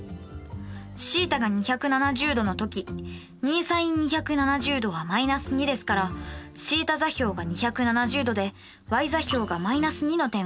θが２７０°の時２ｓｉｎ２７０°は−２ですからθ座標が２７０°でｙ座標が−２の点を取ります。